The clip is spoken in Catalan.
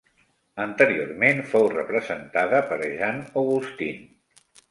Anteriorment fou representada per Jean Augustine.